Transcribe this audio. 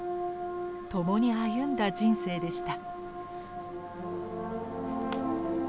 共に歩んだ人生でした。